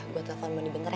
gue telepon mondi bentar ya